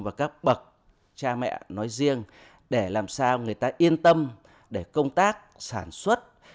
và các bậc cha mẹ nói riêng để làm sao người ta yên tâm để công tác sản xuất